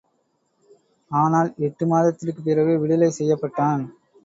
ஆனால் எட்டு மாதத்திற்குப்பிறகு விடுதலை செய்யப்பட்டான்.